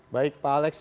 baik pak alex